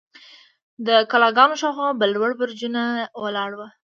د کلاګانو شاوخوا به لوړ برجونه ولاړ وو.